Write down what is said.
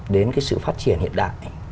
đến cái sự phát triển hiện đại